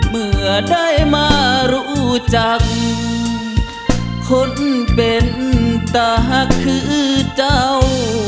เมื่อได้มารู้จักคนเป็นตาคือเจ้า